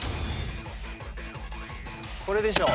これでしょ。